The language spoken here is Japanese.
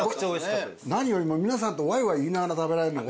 何よりも皆さんとワイワイ言いながら食べられるのが。